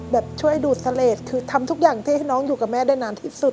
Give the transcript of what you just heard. แบบช่วยดูดเสลดคือทำทุกอย่างที่น้องอยู่กับแม่ได้นานที่สุด